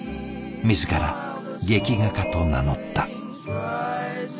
自ら劇画家と名乗った。